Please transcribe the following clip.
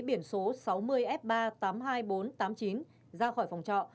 biển số sáu mươi f ba tám mươi hai nghìn bốn trăm tám mươi chín ra khỏi phòng trọ